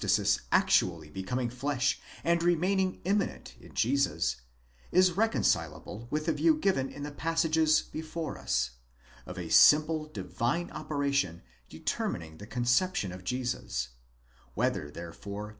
hypostasis actually becoming flesh and remaining immanent in Jesus, is reconcilable with the view given in the passages before us, of a simple divine operation determining the conception of Jesus ; whether therefore